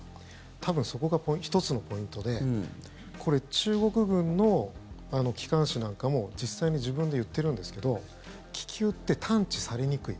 多分、そこが１つのポイントでこれ、中国軍の機関紙なんかも実際に自分で言ってるんですけど気球って探知されにくい。